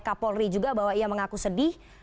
kapolri juga bahwa ia mengaku sedih